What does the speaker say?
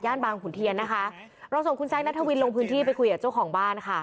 บางขุนเทียนนะคะเราส่งคุณแซคนัทวินลงพื้นที่ไปคุยกับเจ้าของบ้านค่ะ